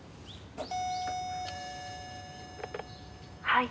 「はい」